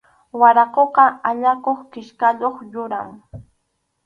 Waraquqa allakuq kichkayuq yuram.